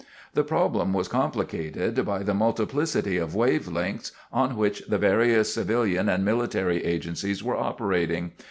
"The problem was complicated by the multiplicity of wave lengths on which the various civilian and military agencies were operating.